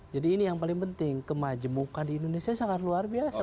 jadi ini yang paling penting kemajemukan di indonesia sangat luar biasa